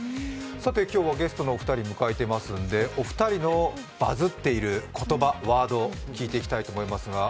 今日はゲストのお二人を迎えていますので、お二人のバズっている言葉、ワードを聞いていきたいと思います。